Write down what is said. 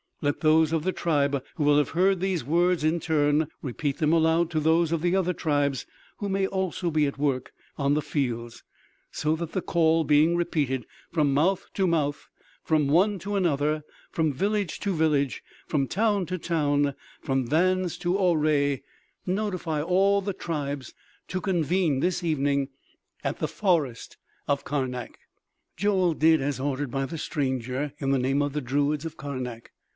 _ Let those of the tribe who will have heard these words in turn repeat them aloud to those of the other tribes who may also be at work on the fields, so that the call being repeated from mouth to mouth, from one to another, from village to village, from town to town, from Vannes to Auray, notify all the tribes to convene this evening at the forest of Karnak." Joel did as ordered by the stranger in the name of the druids of Karnak.